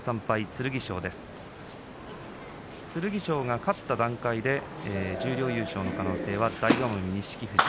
剣翔が勝った段階で十両優勝の可能性は大奄美、錦富士